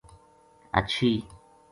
ہچھی